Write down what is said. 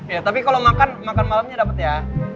ya tapi kalo makan makan malamnya dapet ya